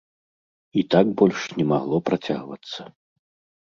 І так больш не магло працягвацца.